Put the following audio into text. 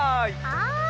はい。